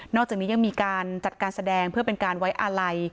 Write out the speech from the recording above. อกจากนี้ยังมีการจัดการแสดงเพื่อเป็นการไว้อาลัย